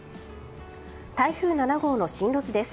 台風７号の進路図です。